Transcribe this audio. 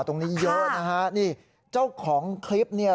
ตรงนี้เยอะนะฮะนี่เจ้าของคลิปเนี่ย